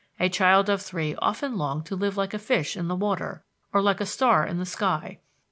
A child of three often longed to live like a fish in the water, or like a star in the sky.